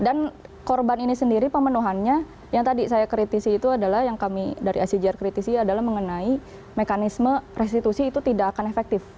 dan korban ini sendiri pemenuhannya yang tadi saya kritisi itu adalah yang kami dari acjr kritisi adalah mengenai mekanisme restitusi itu tidak akan efektif